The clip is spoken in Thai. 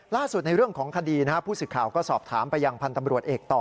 ในเรื่องของคดีผู้สื่อข่าวก็สอบถามไปยังพันธ์ตำรวจเอกต่อ